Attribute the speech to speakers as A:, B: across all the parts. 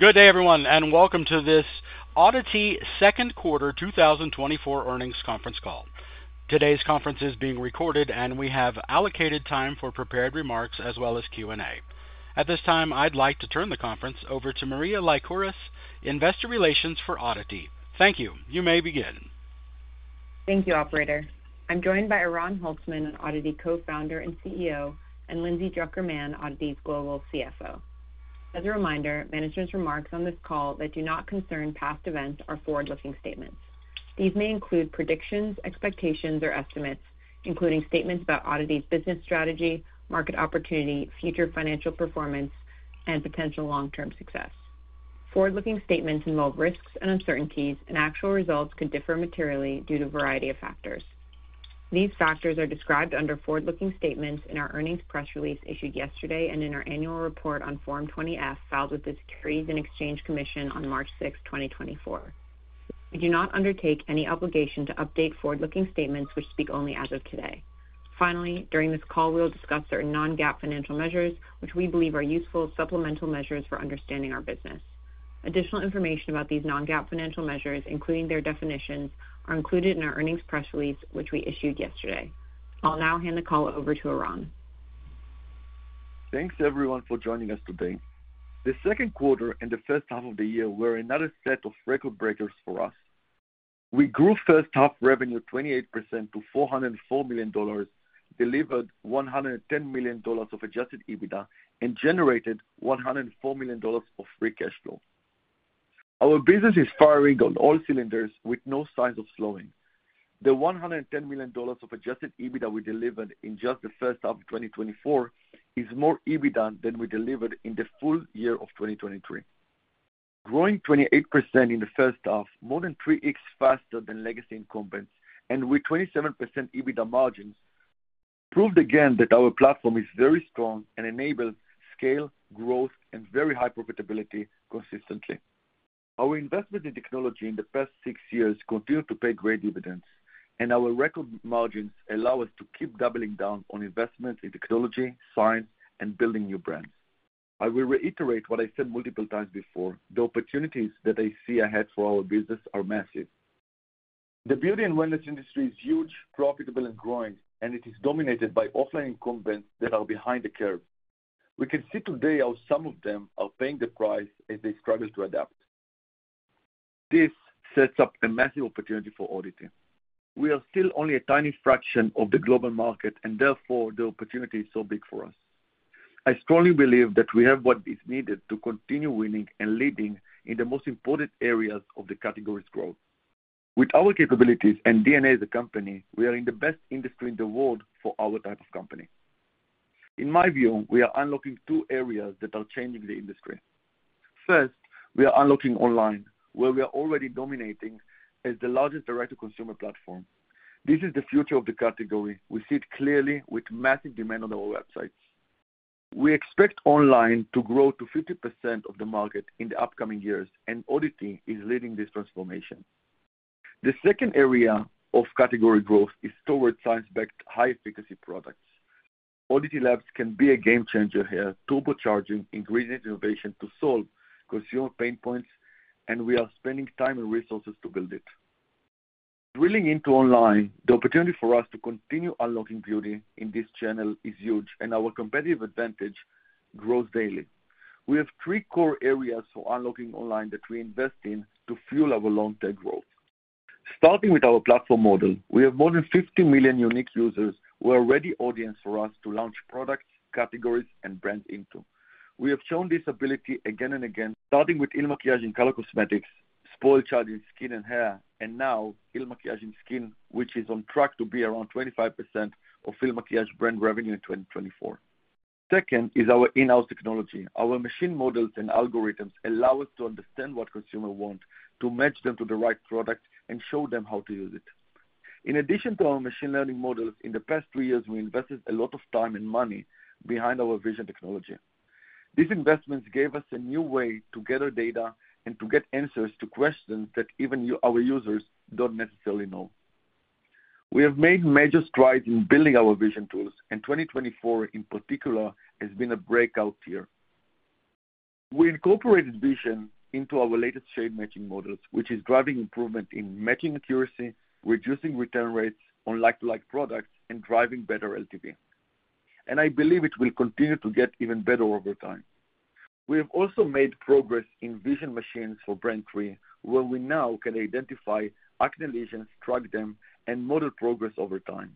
A: Good day, everyone, and welcome to this ODDITY Second Quarter 2024 Earnings Conference Call. Today's conference is being recorded, and we have allocated time for prepared remarks as well as Q&A. At this time, I'd like to turn the conference over to Maria Lycouris, Investor Relations for ODDITY. Thank you. You may begin.
B: Thank you, operator. I'm joined by Oran Holtzman, an ODDITY co-founder and CEO, and Lindsay Drucker Mann, ODDITY's Global CFO. As a reminder, management's remarks on this call that do not concern past events are forward-looking statements. These may include predictions, expectations, or estimates, including statements about ODDITY's business strategy, market opportunity, future financial performance, and potential long-term success. Forward-looking statements involve risks and uncertainties, and actual results could differ materially due to a variety of factors. These factors are described under forward-looking statements in our earnings press release issued yesterday, and in our annual report on Form 20-F, filed with the Securities and Exchange Commission on March 6, 2024. We do not undertake any obligation to update forward-looking statements, which speak only as of today. Finally, during this call, we'll discuss certain non-GAAP financial measures, which we believe are useful supplemental measures for understanding our business. Additional information about these non-GAAP financial measures, including their definitions, are included in our earnings press release, which we issued yesterday. I'll now hand the call over to Oran.
C: Thanks, everyone, for joining us today. The second quarter and the first half of the year were another set of record breakers for us. We grew first half revenue 28% to $404 million, delivered $110 million of adjusted EBITDA, and generated $104 million of free cash flow. Our business is firing on all cylinders with no signs of slowing. The $110 million of adjusted EBITDA we delivered in just the first half of 2024 is more EBITDA than we delivered in the full year of 2023. Growing 28% in the first half, more than 3x faster than legacy incumbents, and with 27% EBITDA margins, proved again that our platform is very strong and enables scale, growth, and very high profitability consistently. Our investment in technology in the past six years continued to pay great dividends, and our record margins allow us to keep doubling down on investments in technology, science, and building new brands. I will reiterate what I said multiple times before. The opportunities that I see ahead for our business are massive. The beauty and wellness industry is huge, profitable, and growing, and it is dominated by offline incumbents that are behind the curve. We can see today how some of them are paying the price as they struggle to adapt. This sets up a massive opportunity for ODDITY. We are still only a tiny fraction of the global market, and therefore, the opportunity is so big for us. I strongly believe that we have what is needed to continue winning and leading in the most important areas of the category's growth. With our capabilities and DNA as a company, we are in the best industry in the world for our type of company. In my view, we are unlocking two areas that are changing the industry. First, we are unlocking online, where we are already dominating as the largest direct-to-consumer platform. This is the future of the category. We see it clearly with massive demand on our websites. We expect online to grow to 50% of the market in the upcoming years, and ODDITY is leading this transformation. The second area of category growth is towards science-backed, high-efficacy products. ODDITY LABS can be a game changer here, turbocharging ingredient innovation to solve consumer pain points, and we are spending time and resources to build it. Drilling into online, the opportunity for us to continue unlocking beauty in this channel is huge, and our competitive advantage grows daily. We have three core areas for unlocking online that we invest in to fuel our long-term growth. Starting with our platform model, we have more than 50 million unique users who are ready audience for us to launch products, categories, and brand into. We have shown this ability again and again, starting with IL MAKIAGE in color cosmetics, SpoiledChild in skin and hair, and now IL MAKIAGE in skin, which is on track to be around 25% of IL MAKIAGE brand revenue in 2024. Second is our in-house technology. Our machine models and algorithms allow us to understand what consumers want, to match them to the right product, and show them how to use it. In addition to our machine learning models, in the past three years, we invested a lot of time and money behind our vision technology. These investments gave us a new way to gather data and to get answers to questions that even our users don't necessarily know. We have made major strides in building our vision tools, and 2024, in particular, has been a breakout year. We incorporated vision into our latest shade matching models, which is driving improvement in matching accuracy, reducing return rates on like-to-like products, and driving better LTV. I believe it will continue to get even better over time. We have also made progress in vision machines for Brand 3, where we now can identify acne lesions, track them, and model progress over time.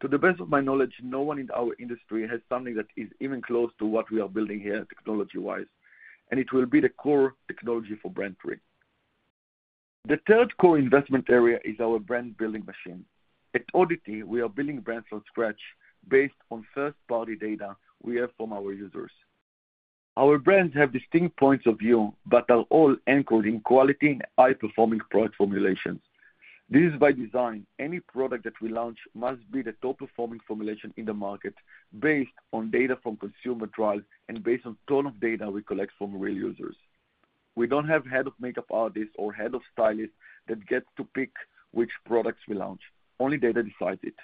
C: To the best of my knowledge, no one in our industry has something that is even close to what we are building here, technology-wise, and it will be the core technology for Brand 3. The third core investment area is our brand-building machine. At ODDITY, we are building brands from scratch based on first-party data we have from our users. Our brands have distinct points of view, but are all anchored in quality and high-performing product formulations. This is by design. Any product that we launch must be the top-performing formulation in the market, based on data from consumer trials and based on ton of data we collect from real users. We don't have head of makeup artists or head of stylists that get to pick which products we launch. Only data decides it.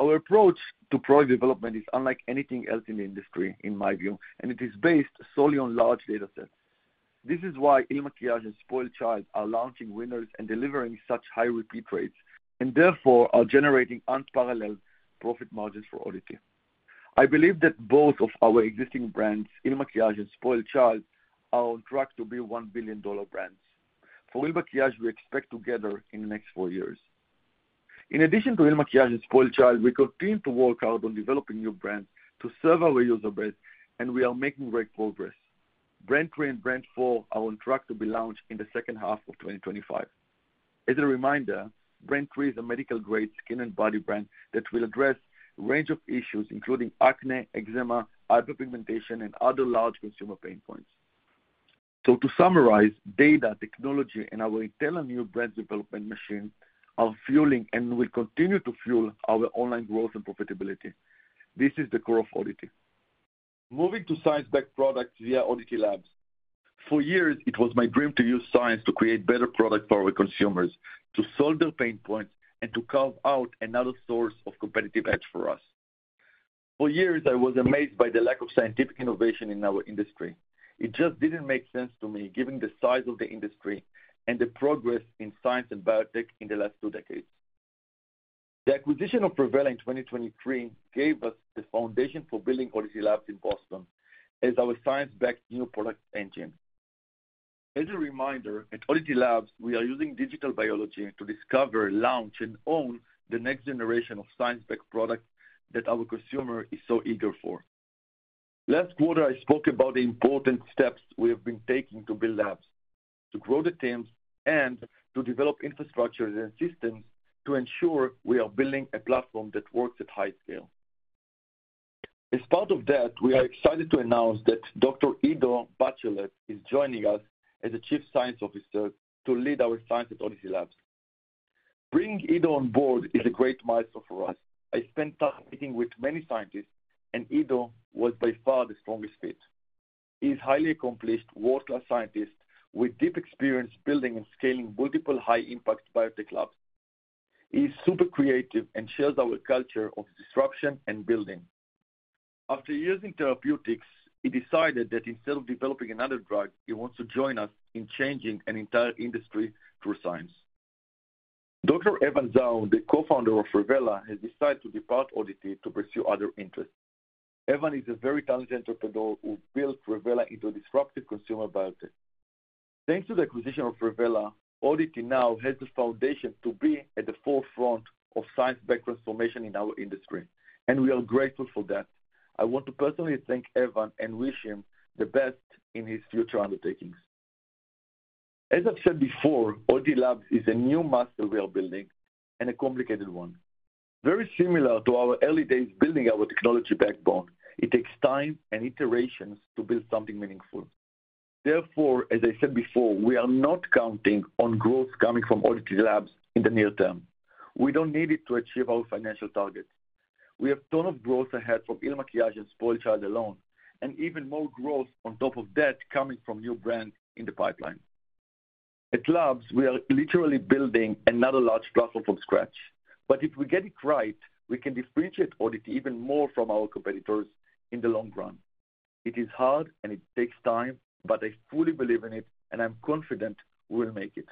C: Our approach to product development is unlike anything else in the industry, in my view, and it is based solely on large data sets. This is why IL MAKIAGE and SpoiledChild are launching winners and delivering such high repeat rates, and therefore are generating unparalleled profit margins for ODDITY. I believe that both of our existing brands, IL MAKIAGE and SpoiledChild, are on track to be $1 billion brands. For IL MAKIAGE, we expect to get there in the next four years. In addition to IL MAKIAGE and SpoiledChild, we continue to work on developing new brands to serve our user base, and we are making great progress. Brand 3 and Brand 4 are on track to be launched in the second half of 2025. As a reminder, Brand 3 is a medical-grade skin and body brand that will address a range of issues, including acne, eczema, hyperpigmentation, and other large consumer pain points. So to summarize, data, technology, and our intel and new brand development machine are fueling and will continue to fuel our online growth and profitability. This is the core of ODDITY. Moving to science-backed products via ODDITY LABS. For years, it was my dream to use science to create better products for our consumers, to solve their pain points, and to carve out another source of competitive edge for us. For years, I was amazed by the lack of scientific innovation in our industry. It just didn't make sense to me, given the size of the industry and the progress in science and biotech in the last two decades. The acquisition of Revela in 2023 gave us the foundation for building ODDITY LABS in Boston as our science-backed new product engine. As a reminder, at ODDITY LABS, we are using digital biology to discover, launch, and own the next generation of science-backed products that our consumer is so eager for. Last quarter, I spoke about the important steps we have been taking to build labs, to grow the teams, and to develop infrastructures and systems to ensure we are building a platform that works at high scale. As part of that, we are excited to announce that Dr. Ido Bachelet is joining us as the Chief Science Officer to lead our science at ODDITY LABS. Bringing Ido on board is a great milestone for us. I spent time meeting with many scientists, and Ido was by far the strongest fit. He's highly accomplished, world-class scientist, with deep experience building and scaling multiple high-impact biotech labs. He's super creative and shares our culture of disruption and building. After years in therapeutics, he decided that instead of developing another drug, he wants to join us in changing an entire industry through science. Dr. Evan Zhao, the co-founder of Revela, has decided to depart ODDITY to pursue other interests. Evan is a very talented entrepreneur who built Revela into a disruptive consumer biotech. Thanks to the acquisition of Revela, ODDITY now has the foundation to be at the forefront of science-backed transformation in our industry, and we are grateful for that. I want to personally thank Evan and wish him the best in his future undertakings. As I've said before, ODDITY LABS is a new muscle we are building and a complicated one. Very similar to our early days building our technology backbone, it takes time and iterations to build something meaningful. Therefore, as I said before, we are not counting on growth coming from ODDITY LABS in the near term. We don't need it to achieve our financial targets. We have a ton of growth ahead from IL MAKIAGE and SpoiledChild alone, and even more growth on top of that coming from new brands in the pipeline. At Labs, we are literally building another large platform from scratch, but if we get it right, we can differentiate ODDITY even more from our competitors in the long run. It is hard and it takes time, but I fully believe in it, and I'm confident we'll make it.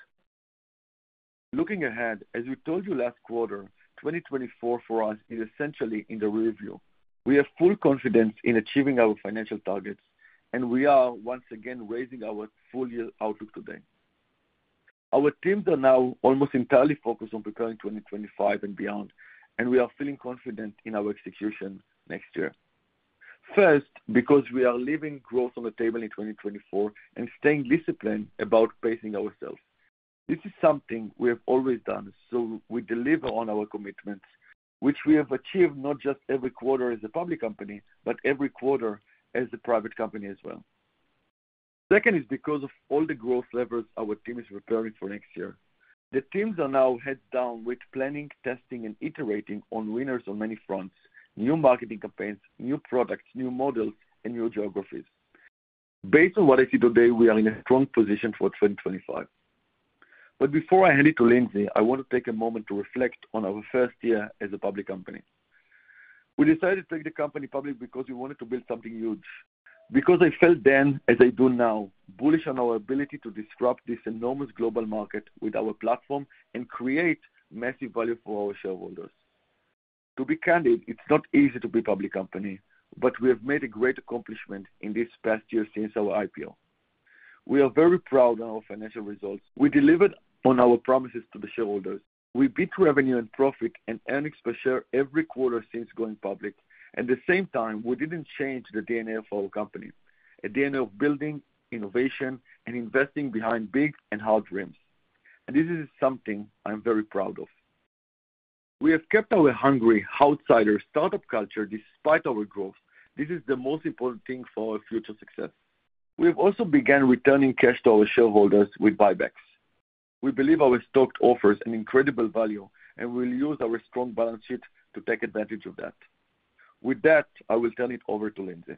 C: Looking ahead, as we told you last quarter, 2024 for us is essentially in the rearview. We have full confidence in achieving our financial targets, and we are once again raising our full year outlook today. Our teams are now almost entirely focused on preparing 2025 and beyond, and we are feeling confident in our execution next year. First, because we are leaving growth on the table in 2024 and staying disciplined about pacing ourselves. This is something we have always done, so we deliver on our commitments, which we have achieved not just every quarter as a public company, but every quarter as a private company as well. Second is because of all the growth levers our team is preparing for next year. The teams are now heads down with planning, testing, and iterating on winners on many fronts, new marketing campaigns, new products, new models, and new geographies. Based on what I see today, we are in a strong position for 2025. But before I hand it to Lindsay, I want to take a moment to reflect on our first year as a public company. We decided to take the company public because we wanted to build something huge. Because I felt then, as I do now, bullish on our ability to disrupt this enormous global market with our platform and create massive value for our shareholders. To be candid, it's not easy to be a public company, but we have made a great accomplishment in this past year since our IPO. We are very proud of our financial results. We delivered on our promises to the shareholders. We beat revenue and profit and earnings per share every quarter since going public. At the same time, we didn't change the DNA of our company, the DNA of building, innovation, and investing behind big and hard dreams. And this is something I'm very proud of. We have kept our hungry outsider startup culture despite our growth. This is the most important thing for our future success. We've also began returning cash to our shareholders with buybacks. We believe our stock offers an incredible value, and we'll use our strong balance sheet to take advantage of that. With that, I will turn it over to Lindsay....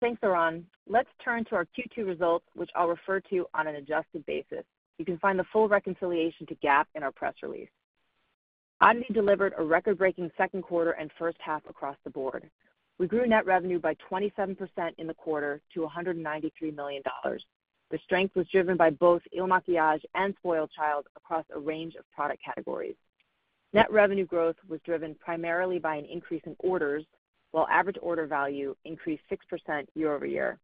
D: Thanks, Oran. Let's turn to our Q2 results, which I'll refer to on an adjusted basis. You can find the full reconciliation to GAAP in our press release. ODDITY delivered a record-breaking second quarter and first half across the board. We grew net revenue by 27% in the quarter to $193 million. The strength was driven by both IL MAKIAGE and SpoiledChild across a range of product categories. Net revenue growth was driven primarily by an increase in orders, while average order value increased 6% year-over-year.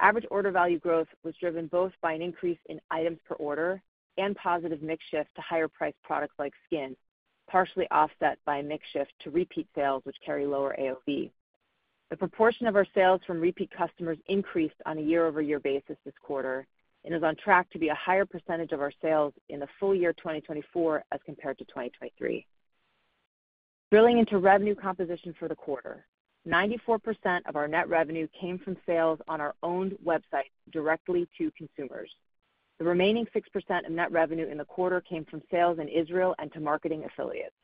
D: Average order value growth was driven both by an increase in items per order and positive mix shift to higher priced products like skin, partially offset by a mix shift to repeat sales, which carry lower AOV. The proportion of our sales from repeat customers increased on a year-over-year basis this quarter and is on track to be a higher percentage of our sales in the full year 2024 as compared to 2023. Drilling into revenue composition for the quarter, 94% of our net revenue came from sales on our own website directly to consumers. The remaining 6% of net revenue in the quarter came from sales in Israel and to marketing affiliates.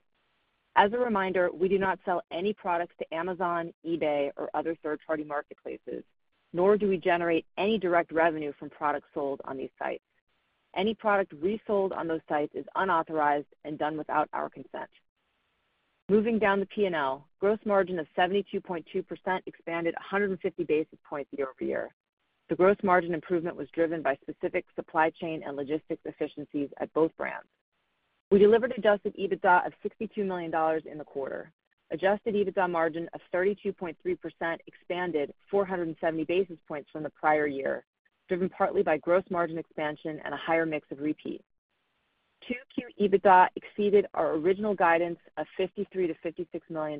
D: As a reminder, we do not sell any products to Amazon, eBay, or other third-party marketplaces, nor do we generate any direct revenue from products sold on these sites. Any product resold on those sites is unauthorized and done without our consent. Moving down the P&L, gross margin of 72.2% expanded 150 basis points year-over-year. The gross margin improvement was driven by specific supply chain and logistics efficiencies at both brands. We delivered adjusted EBITDA of $62 million in the quarter. Adjusted EBITDA margin of 32.3%, expanded 470 basis points from the prior year, driven partly by gross margin expansion and a higher mix of repeat 2Q EBITDA exceeded our original guidance of $53 million-$56 million,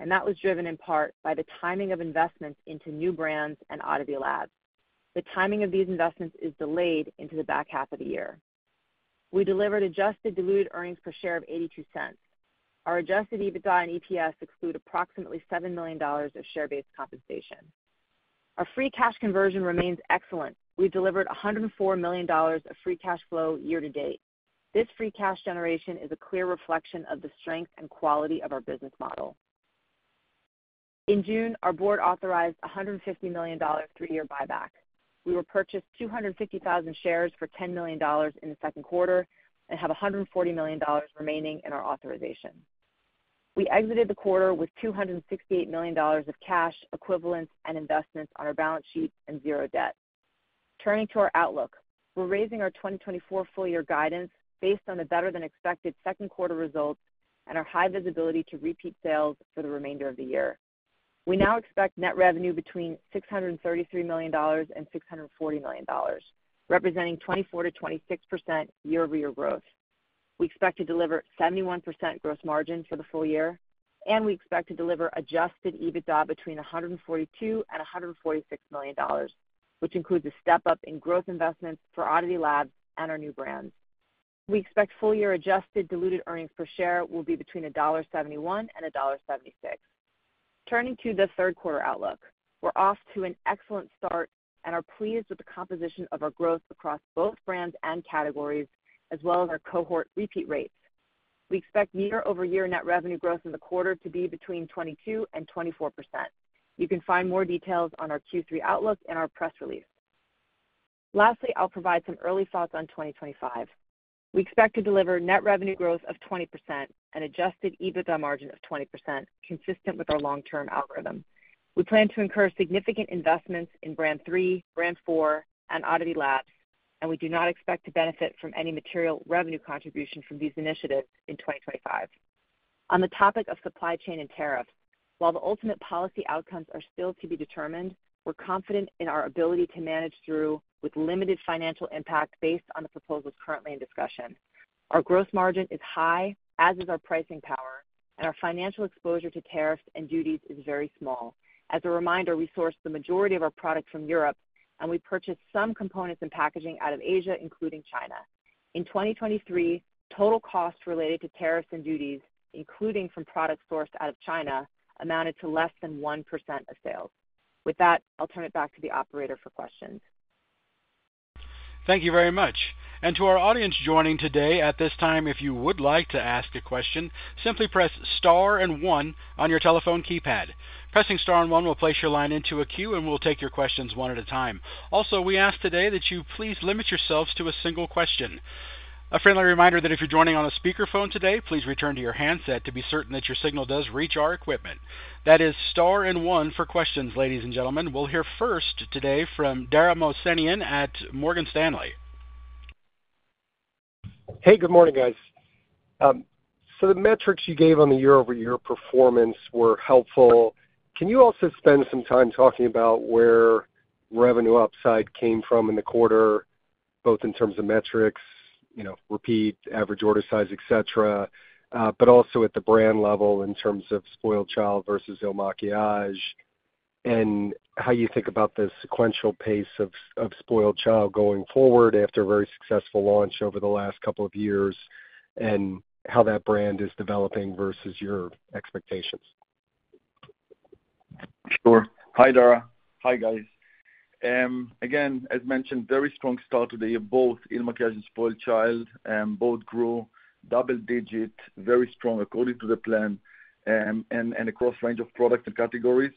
D: and that was driven in part by the timing of investments into new brands and ODDITY LABS. The timing of these investments is delayed into the back half of the year. We delivered adjusted diluted earnings per share of $0.82. Our adjusted EBITDA and EPS exclude approximately $7 million of share-based compensation. Our free cash conversion remains excellent. We delivered $104 million of free cash flow year to date. This free cash generation is a clear reflection of the strength and quality of our business model. In June, our board authorized $150 million three-year buyback. We repurchased 250,000 shares for $10 million in the second quarter and have $140 million remaining in our authorization. We exited the quarter with $268 million of cash equivalents and investments on our balance sheet and zero debt. Turning to our outlook. We're raising our 2024 full year guidance based on the better-than-expected second quarter results and our high visibility to repeat sales for the remainder of the year. We now expect net revenue between $633 million and $640 million, representing 24%-26% year-over-year growth. We expect to deliver 71% gross margin for the full year, and we expect to deliver adjusted EBITDA between $142 million and $146 million, which includes a step-up in growth investments for ODDITY LABS and our new brands. We expect full year adjusted diluted earnings per share will be between $1.71 and $1.76. Turning to the third quarter outlook. We're off to an excellent start and are pleased with the composition of our growth across both brands and categories, as well as our cohort repeat rates. We expect year-over-year net revenue growth in the quarter to be between 22% and 24%. You can find more details on our Q3 outlook in our press release. Lastly, I'll provide some early thoughts on 2025. We expect to deliver net revenue growth of 20% and adjusted EBITDA margin of 20%, consistent with our long-term algorithm. We plan to incur significant investments in Brand 3, Brand 4, and ODDITY LABS, and we do not expect to benefit from any material revenue contribution from these initiatives in 2025. On the topic of supply chain and tariffs, while the ultimate policy outcomes are still to be determined, we're confident in our ability to manage through with limited financial impact based on the proposals currently in discussion. Our gross margin is high, as is our pricing power, and our financial exposure to tariffs and duties is very small. As a reminder, we source the majority of our product from Europe, and we purchase some components and packaging out of Asia, including China. In 2023, total costs related to tariffs and duties, including from products sourced out of China, amounted to less than 1% of sales. With that, I'll turn it back to the operator for questions.
A: Thank you very much. To our audience joining today, at this time, if you would like to ask a question, simply press star and one on your telephone keypad. Pressing star and one will place your line into a queue, and we'll take your questions one at a time. Also, we ask today that you please limit yourselves to a single question. A friendly reminder that if you're joining on a speakerphone today, please return to your handset to be certain that your signal does reach our equipment. That is star and one for questions, ladies and gentlemen. We'll hear first today from Dara Mohsenian at Morgan Stanley.
E: Hey, good morning, guys. So the metrics you gave on the year-over-year performance were helpful. Can you also spend some time talking about where revenue upside came from in the quarter, both in terms of metrics, you know, repeat, average order size, et cetera, but also at the brand level in terms of SpoiledChild versus IL MAKIAGE, and how you think about the sequential pace of SpoiledChild going forward after a very successful launch over the last couple of years, and how that brand is developing versus your expectations?
C: Sure. Hi, Dara. Hi, guys. ... Again, as mentioned, very strong start to the year, both in IL MAKIAGE and SpoiledChild, both grew double-digit, very strong, according to the plan, and across range of products and categories.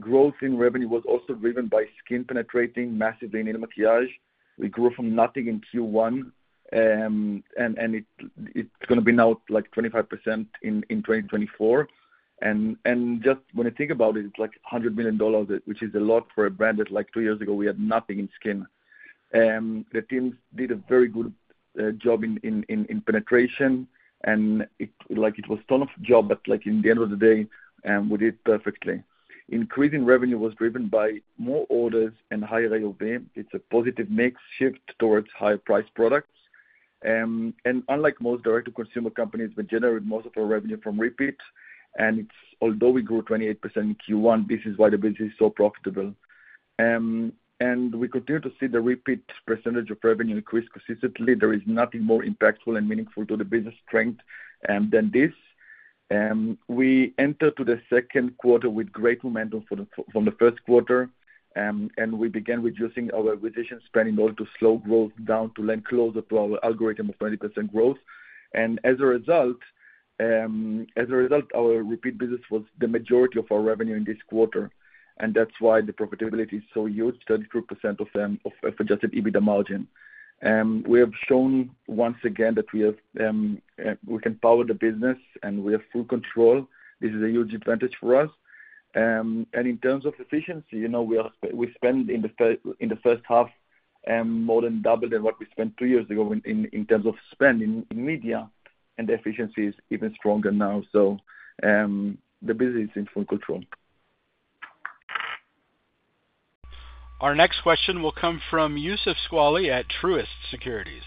C: Growth in revenue was also driven by skin penetrating massively in IL MAKIAGE. We grew from nothing in Q1, and it's going to be now, like, 25% in 2024. And just when you think about it, it's like $100 million, which is a lot for a brand that, like, two years ago, we had nothing in skin. The teams did a very good job in penetration, and it—like, it was a ton of work, but, like, in the end of the day, we did perfectly. Increasing revenue was driven by more orders and higher AOV. It's a positive mix shift towards higher priced products. And unlike most direct-to-consumer companies, we generate most of our revenue from repeat, and it's, although we grew 28% in Q1, this is why the business is so profitable. And we continue to see the repeat percentage of revenue increase consistently. There is nothing more impactful and meaningful to the business strength than this. We enter to the second quarter with great momentum from the first quarter, and we began reducing our acquisition spending in order to slow growth down to land closer to our algorithm of 20% growth. And as a result, our repeat business was the majority of our revenue in this quarter, and that's why the profitability is so huge, 32% adjusted EBITDA margin. We have shown once again that we can power the business and we have full control. This is a huge advantage for us. And in terms of efficiency, you know, we spend in the first half more than double than what we spent two years ago in terms of spend in media, and the efficiency is even stronger now. So, the business is in full control.
A: Our next question will come from Youssef Squali at Truist Securities.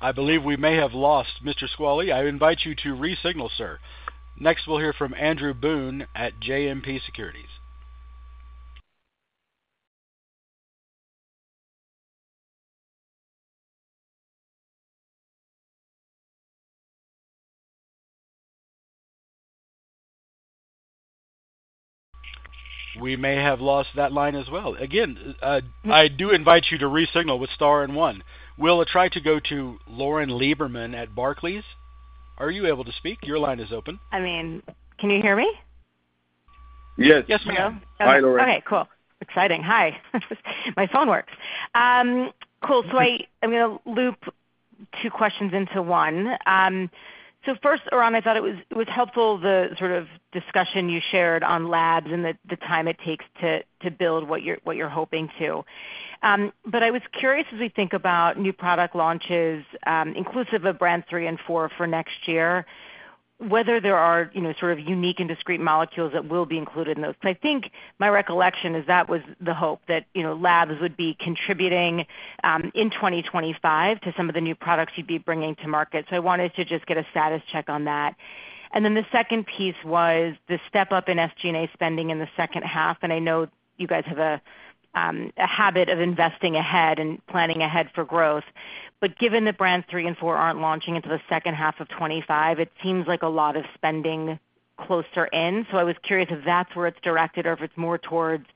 A: I believe we may have lost Mr. Squali. I invite you to re-signal, sir. Next, we'll hear from Andrew Boone at JMP Securities. We may have lost that line as well. Again, I do invite you to re-signal with star and one. We'll try to go to Lauren Lieberman at Barclays. Are you able to speak? Your line is open.
F: I mean, can you hear me?
C: Yes.
A: Yes, ma'am.
C: Hi, Lauren.
F: Okay, cool. Exciting. Hi. My phone works. Cool. So I'm going to loop two questions into one. So first, Oran, I thought it was helpful, the sort of discussion you shared on labs and the time it takes to build what you're hoping to. But I was curious, as we think about new product launches, inclusive of Brand 3 and 4 for next year, whether there are, you know, sort of unique and discrete molecules that will be included in those. I think my recollection is that was the hope that, you know, labs would be contributing in 2025 to some of the new products you'd be bringing to market. So I wanted to just get a status check on that. Then the second piece was the step up in SG&A spending in the second half, and I know you guys have a habit of investing ahead and planning ahead for growth. But given the Brands 3 and 4 aren't launching into the second half of 2025, it seems like a lot of spending closer in. So I was curious if that's where it's directed or if it's more towards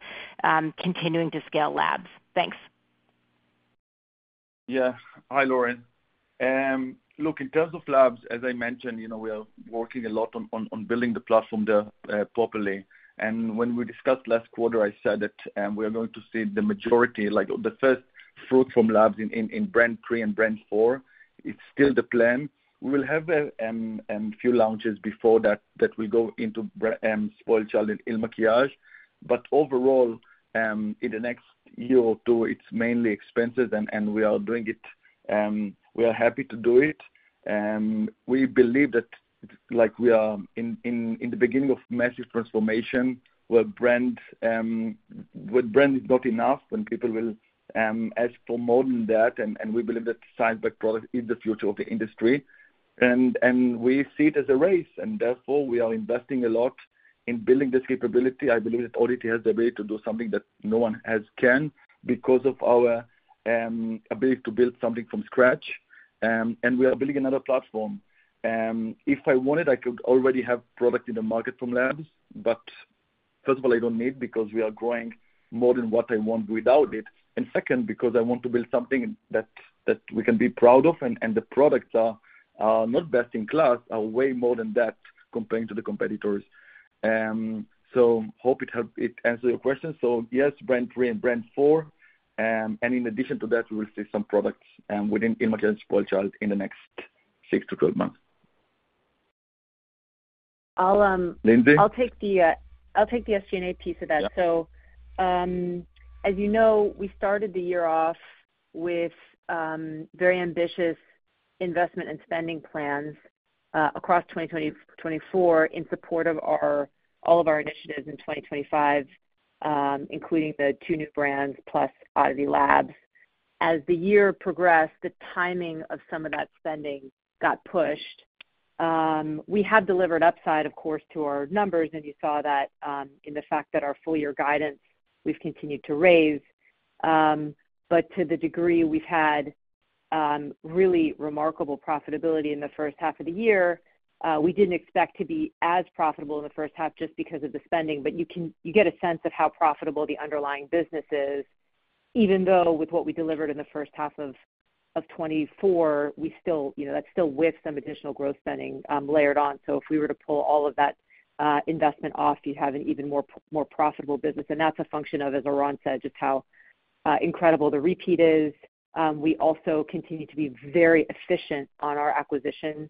F: continuing to scale labs. Thanks.
C: Yeah. Hi, Lauren. Look, in terms of labs, as I mentioned, you know, we are working a lot on building the platform there, properly. And when we discussed last quarter, I said that we are going to see the majority, like, the first fruit from labs in Brand 3 and Brand 4. It's still the plan. We will have a few launches before that that will go into SpoiledChild and IL MAKIAGE. But overall, in the next year or two, it's mainly expensive and we are doing it, we are happy to do it. We believe that, like, we are in the beginning of massive transformation, where brand, with brand is not enough, when people will ask for more than that, and we believe that science-backed product is the future of the industry. We see it as a race, and therefore, we are investing a lot in building this capability. I believe that ODDITY has the ability to do something that no one else can because of our ability to build something from scratch, and we are building another platform. If I wanted, I could already have product in the market from labs, but first of all, I don't need, because we are growing more than what I want without it. Second, because I want to build something that we can be proud of, and the products are not best in class, are way more than that, comparing to the competitors. So, I hope it answers your question. So yes, Brand 3 and Brand 4, and in addition to that, we will see some products within IL MAKIAGE and SpoiledChild in the next six to 12 months.
D: I'll, um-
C: Lindsay?
D: I'll take the SG&A piece of that.
C: Yeah.
D: So, as you know, we started the year off with very ambitious investment and spending plans across 2024 in support of all of our initiatives in 2025, including the two new brands plus ODDITY LABS. As the year progressed, the timing of some of that spending got pushed. We have delivered upside, of course, to our numbers, and you saw that in the fact that our full year guidance, we've continued to raise.... But to the degree we've had really remarkable profitability in the first half of the year. We didn't expect to be as profitable in the first half just because of the spending, but you can, you get a sense of how profitable the underlying business is, even though with what we delivered in the first half of 2024, we still, you know, that's still with some additional growth spending layered on. So if we were to pull all of that investment off, you'd have an even more, more profitable business, and that's a function of, as Oran said, just how incredible the repeat is. We also continue to be very efficient on our acquisition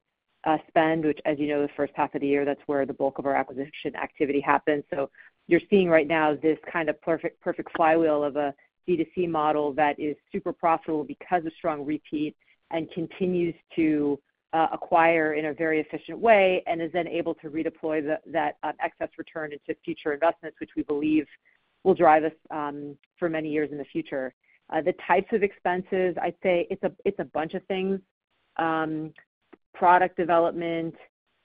D: spend, which, as you know, the first half of the year, that's where the bulk of our acquisition activity happens. So you're seeing right now this kind of perfect, perfect flywheel of a D2C model that is super profitable because of strong repeat and continues to acquire in a very efficient way and is then able to redeploy that excess return into future investments, which we believe will drive us for many years in the future. The types of expenses, I'd say it's a bunch of things. Product development,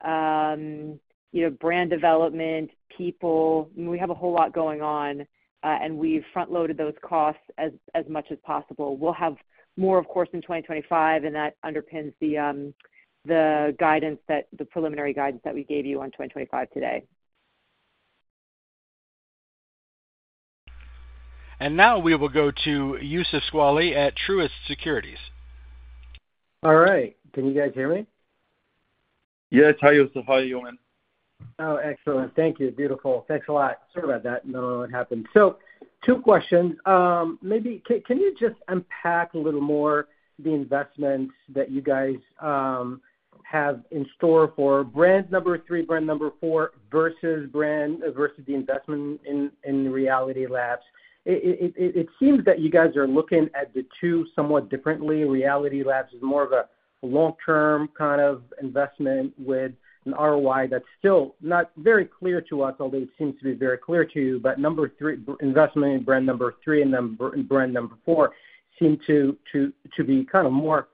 D: you know, brand development, people. We have a whole lot going on, and we've front-loaded those costs as much as possible. We'll have more, of course, in 2025, and that underpins the guidance that—the preliminary guidance that we gave you on 2025 today.
A: Now we will go to Youssef Squali at Truist Securities.
G: All right. Can you guys hear me?
C: Yes, hi, Youssef, how are you doing?
G: Oh, excellent. Thank you. Beautiful. Thanks a lot. Sorry about that. Don't know what happened. So two questions. Maybe can you just unpack a little more the investments that you guys have in store for Brand 3, Brand 4, versus the investment in ODDITY LABS? It seems that you guys are looking at the two somewhat differently. ODDITY LABS is more of a long-term kind of investment with an ROI that's still not very clear to us, although it seems to be very clear to you. But investment in Brand 3 and Brand 4 seem to be kind of more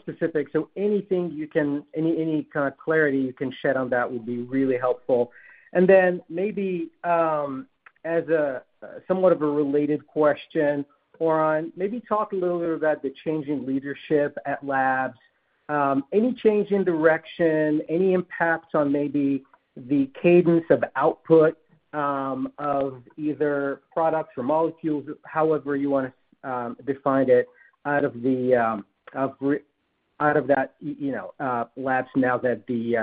G: specific. So anything you can... Any kind of clarity you can shed on that would be really helpful. And then maybe, as a somewhat of a related question, Oran, maybe talk a little bit about the change in leadership at Labs. Any change in direction, any impacts on maybe the cadence of output, of either products or molecules, however you want to define it, out of that you know labs now that you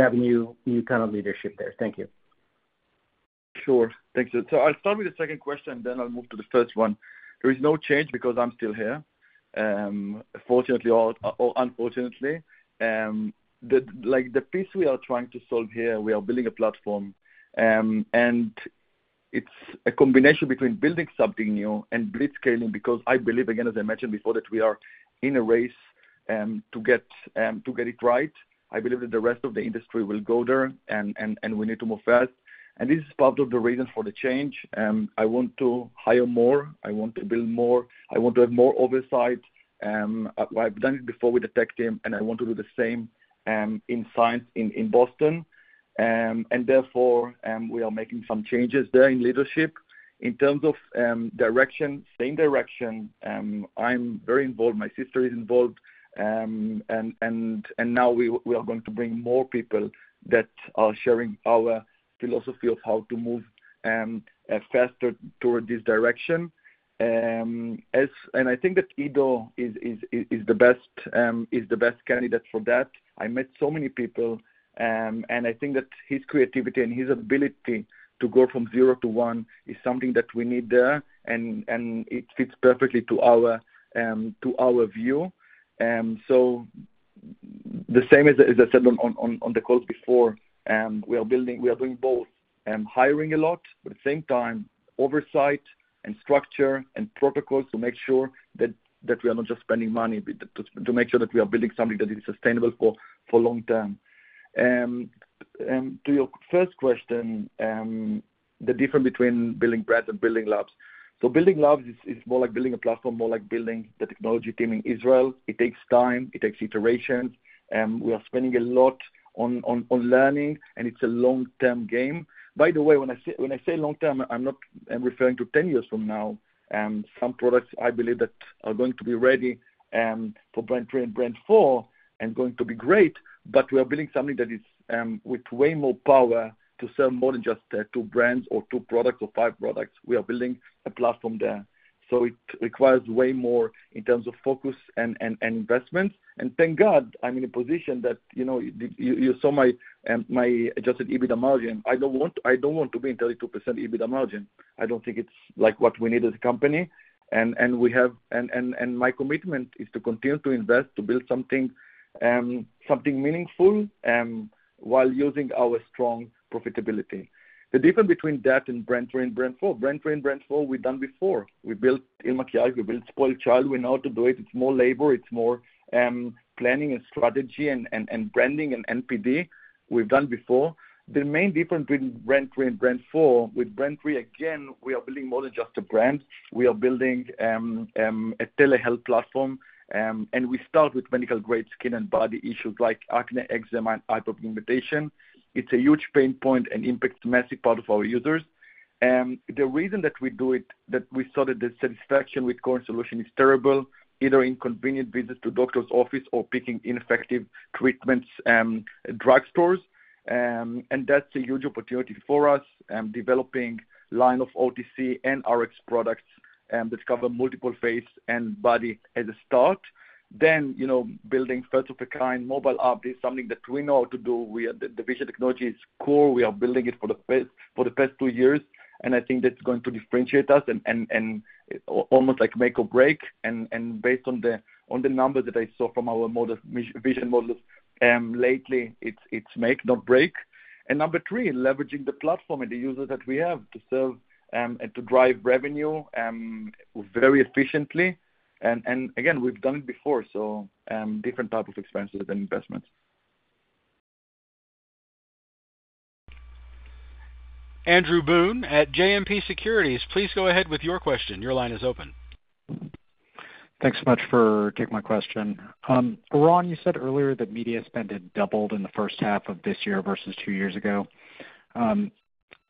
G: have a new new kind of leadership there? Thank you.
C: Sure. Thank you. So I'll start with the second question, and then I'll move to the first one. There is no change because I'm still here, fortunately or unfortunately. Like, the piece we are trying to solve here, we are building a platform, and it's a combination between building something new and blitzscaling, because I believe, again, as I mentioned before, that we are in a race to get to get it right. I believe that the rest of the industry will go there, and we need to move fast. And this is part of the reason for the change. I want to hire more, I want to build more, I want to have more oversight. I've done it before with the tech team, and I want to do the same in science in Boston. And therefore, we are making some changes there in leadership. In terms of direction, same direction. I'm very involved. My sister is involved. And now we are going to bring more people that are sharing our philosophy of how to move faster toward this direction. And I think that Ido is the best candidate for that. I met so many people, and I think that his creativity and his ability to go from zero to one is something that we need there, and it fits perfectly to our view. So the same as I said on the call before, we are building, we are doing both, hiring a lot, but at the same time, oversight and structure and protocols to make sure that we are not just spending money, but to make sure that we are building something that is sustainable for long term. And to your first question, the difference between building brands and building labs. So building labs is more like building a platform, more like building the technology team in Israel. It takes time, it takes iterations, we are spending a lot on learning, and it's a long-term game. By the way, when I say long term, I'm not referring to 10 years from now. Some products I believe that are going to be ready for Brand 3 and Brand 4 and going to be great, but we are building something that is with way more power to sell more than just two brands or two products or five products. We are building a platform there. So it requires way more in terms of focus and investment. And thank God I'm in a position that, you know, you saw my adjusted EBITDA margin. I don't want, I don't want to be in 32% EBITDA margin. I don't think it's like what we need as a company. And we have... And my commitment is to continue to invest, to build something, something meaningful, while using our strong profitability. The difference between that and Brand 3 and Brand 4. Brand 3 and Brand 4, we've done before. We built IL MAKIAGE, we built SpoiledChild. We know how to do it. It's more labor, it's more planning and strategy and branding and NPD. We've done before. The main difference between Brand 3 and Brand 4, with Brand 3, again, we are building more than just a brand. We are building a telehealth platform, and we start with medical-grade skin and body issues like acne, eczema, and hyperpigmentation. It's a huge pain point and impacts massive part of our users. The reason that we do it, that we saw that the satisfaction with current solution is terrible, either inconvenient visits to doctor's office or picking ineffective treatments, drugstores. And that's a huge opportunity for us and developing line of OTC and RX products and discover multiple face and body as a start. Then, you know, building first of a kind mobile app is something that we know how to do. The vision technology is core. We are building it for the past 2 years, and I think that's going to differentiate us and almost, like, make or break. And based on the numbers that I saw from our model, vision models lately, it's make, not break. And number three, leveraging the platform and the users that we have to serve and to drive revenue very efficiently. And again, we've done it before, so different type of expenses and investments.
A: Andrew Boone at JMP Securities, please go ahead with your question. Your line is open.
H: Thanks so much for taking my question. Oran, you said earlier that media spend had doubled in the first half of this year versus two years ago.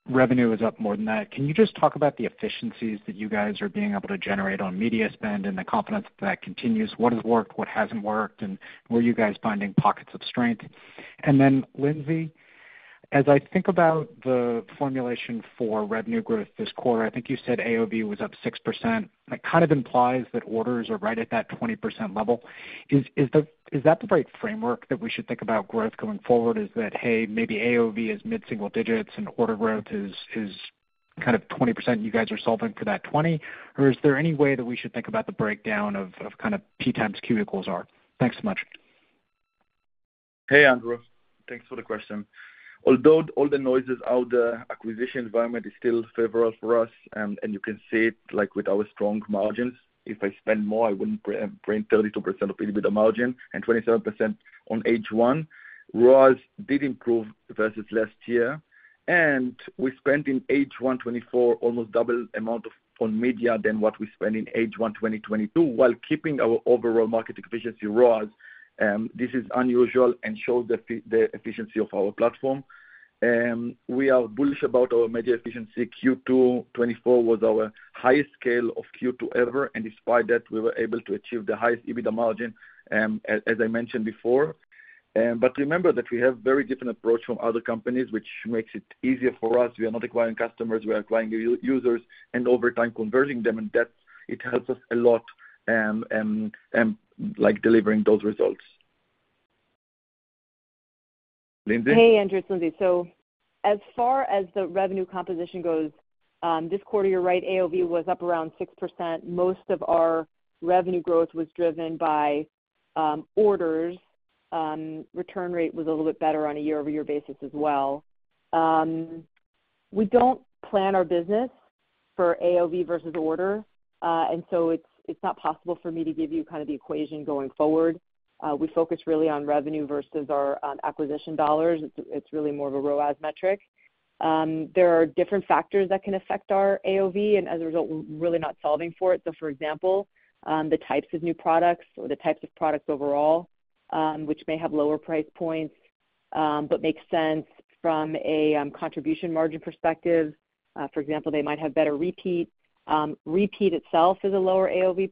H: Revenue is up more than that. Can you just talk about the efficiencies that you guys are being able to generate on media spend and the confidence that continues? What has worked, what hasn't worked, and where are you guys finding pockets of strength? And then Lindsay, as I think about the formulation for revenue growth this quarter, I think you said AOV was up 6%. That kind of implies that orders are right at that 20% level. Is that the right framework that we should think about growth going forward? Is that, hey, maybe AOV is mid-single digits and order growth is kind of 20%, you guys are solving for that 20%? Or is there any way that we should think about the breakdown of kind of P times Q for IL MAKIAGE? Thanks so much.
C: Hey, Andrew. Thanks for the question. Although all the noise is out, the acquisition environment is still favorable for us, and you can see it, like, with our strong margins. If I spend more, I wouldn't bring 32% EBITDA margin and 27% on H1. ROAS did improve versus last year, and we spent in H1 2024 almost double amount of on media than what we spent in H1 2022, while keeping our overall marketing efficiency ROAS. This is unusual and shows the efficiency of our platform. We are bullish about our media efficiency. Q2 2024 was our highest scale of Q2 ever, and despite that, we were able to achieve the highest EBITDA margin, as I mentioned before. But remember that we have very different approach from other companies, which makes it easier for us. We are not acquiring customers, we are acquiring users, and over time, converting them, and that's... It helps us a lot, like, delivering those results. Lindsay?
D: Hey, Andrew, it's Lindsay. So as far as the revenue composition goes, this quarter, you're right, AOV was up around 6%. Most of our revenue growth was driven by orders. Return rate was a little bit better on a year-over-year basis as well. We don't plan our business for AOV versus order, and so it's not possible for me to give you kind of the equation going forward. We focus really on revenue versus our acquisition dollars. It's really more of a ROAS metric. There are different factors that can affect our AOV, and as a result, we're really not solving for it. So for example, the types of new products or the types of products overall, which may have lower price points, but make sense from a contribution margin perspective. For example, they might have better repeat. Repeat itself is a lower AOV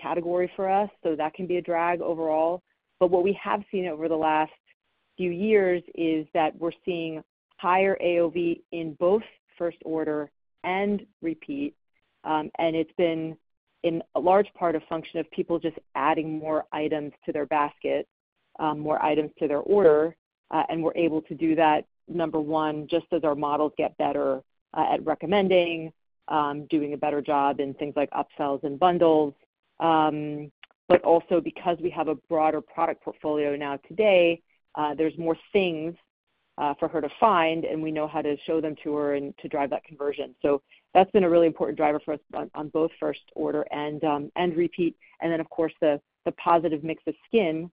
D: category for us, so that can be a drag overall. But what we have seen over the last few years is that we're seeing higher AOV in both first order and repeat, and it's been in a large part a function of people just adding more items to their basket, more items to their order. And we're able to do that, number one, just as our models get better at recommending, doing a better job in things like upsells and bundles. But also because we have a broader product portfolio now today, there's more things for her to find, and we know how to show them to her and to drive that conversion. So that's been a really important driver for us on both first order and repeat. And then, of course, the positive mix of skin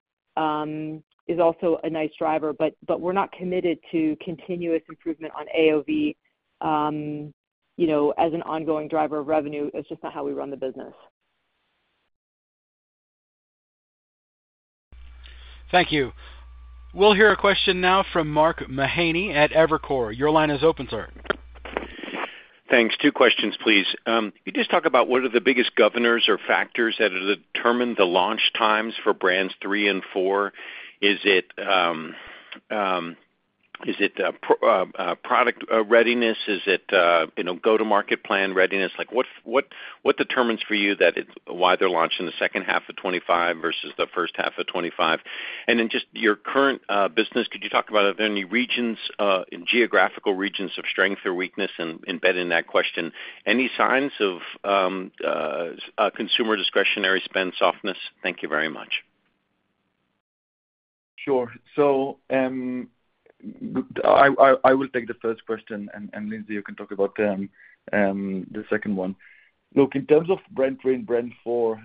D: is also a nice driver, but we're not committed to continuous improvement on AOV, you know, as an ongoing driver of revenue. It's just not how we run the business.
A: Thank you. We'll hear a question now from Mark Mahaney at Evercore. Your line is open, sir.
I: Thanks. Two questions, please. Can you just talk about what are the biggest governors or factors that determine the launch times for brands 3 and 4? Is it product readiness? Is it you know, go-to-market plan readiness? Like, what determines for you that it's why they're launching the second half of 2025 versus the first half of 2025? And then just your current business, could you talk about, are there any regions, geographical regions of strength or weakness, and embedded in that question, any signs of consumer discretionary spend softness? Thank you very much.
C: Sure. So, I will take the first question, and Lindsay, you can talk about the second one. Look, in terms of Brand 3 and Brand 4,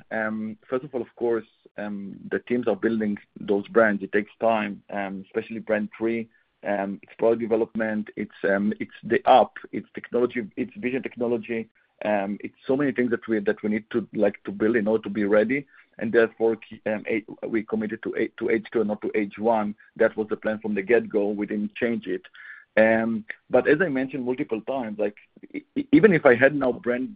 C: first of all, of course, the teams are building those brands. It takes time, especially Brand 3. It's product development, it's the app, it's technology, it's vision technology. It's so many things that we need to like to build in order to be ready, and therefore, we committed to H2 and not to H1. That was the plan from the get-go. We didn't change it. But as I mentioned multiple times, like, even if I had now Brand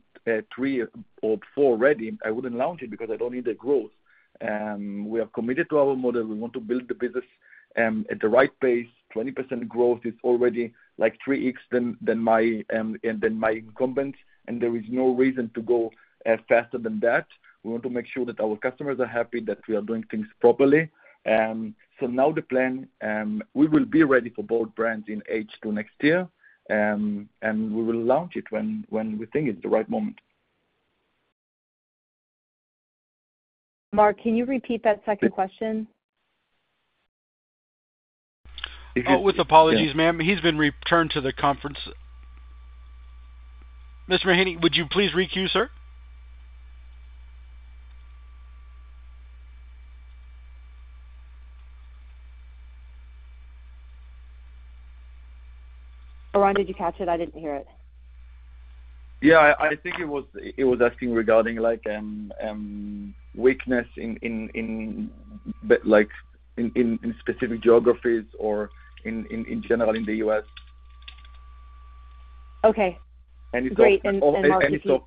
C: 3 or 4 ready, I wouldn't launch it because I don't need the growth. We are committed to our model. We want to build the business at the right pace. 20% growth is already like 3x than, than my, than my incumbent, and there is no reason to go faster than that. We want to make sure that our customers are happy, that we are doing things properly. So now the plan, we will be ready for both brands in H2 next year, and we will launch it when, when we think it's the right moment.
D: Mark, can you repeat that second question?
A: With apologies, ma'am, he's been returned to the conference. Mr. Mahaney, would you please re-queue, sir?
D: Oran, did you catch it? I didn't hear it.
C: Yeah, I think it was, he was asking regarding like, weakness in specific geographies or in general, in the U.S.
D: Okay, great. And Mark, if you-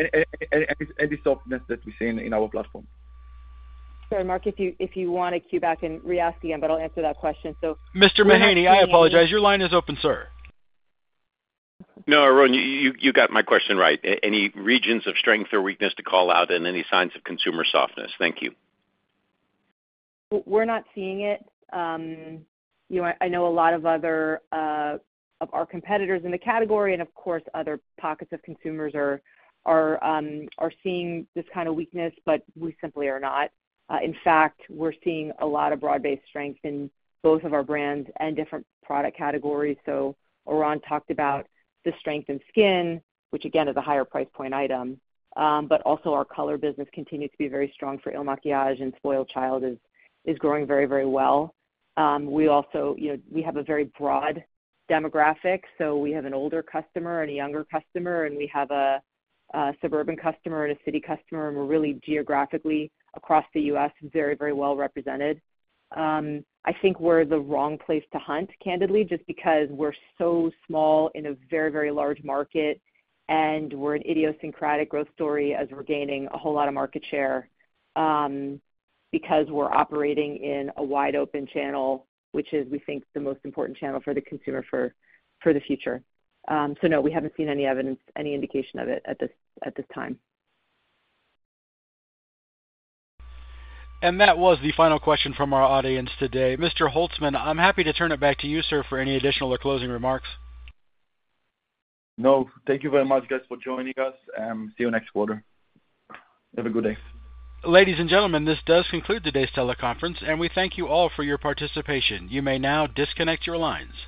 C: Any softness, any softness that we see in our platform.
D: Sorry, Mark, if you want to queue back and reask again, but I'll answer that question. So-
A: Mr. Mahaney, I apologize. Your line is open, sir.
I: No, Oran, you got my question right. Any regions of strength or weakness to call out and any signs of consumer softness? Thank you.
D: We're not seeing it. You know, I know a lot of other of our competitors in the category, and of course, other pockets of consumers are seeing this kind of weakness, but we simply are not. In fact, we're seeing a lot of broad-based strength in both of our brands and different product categories. So Oran talked about the strength in skin, which, again, is a higher price point item. But also our color business continues to be very strong for IL MAKIAGE, and SpoiledChild is growing very, very well. We also, you know, we have a very broad demographic, so we have an older customer and a younger customer, and we have a suburban customer and a city customer, and we're really geographically across the U.S., very, very well represented. I think we're the wrong place to hunt, candidly, just because we're so small in a very, very large market, and we're an idiosyncratic growth story as we're gaining a whole lot of market share, because we're operating in a wide open channel, which is, we think, the most important channel for the consumer for the future. So no, we haven't seen any evidence, any indication of it at this time.
A: That was the final question from our audience today. Mr. Holtzman, I'm happy to turn it back to you, sir, for any additional or closing remarks.
C: No, thank you very much, guys, for joining us, and see you next quarter. Have a good day.
A: Ladies and gentlemen, this does conclude today's teleconference, and we thank you all for your participation. You may now disconnect your lines.